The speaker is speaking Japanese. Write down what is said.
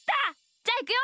じゃあいくよ！